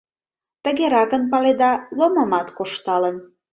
Тыгеракын, паледа, Ломымат кошталын.